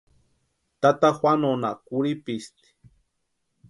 Tata Juanonha kurhipisti.